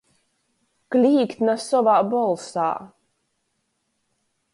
Klīgt nasovā bolsā.